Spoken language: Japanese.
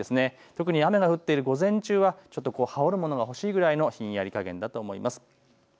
特に雨が降っている午前中は羽織るものが欲しいくらいのひんやり加減だと思います。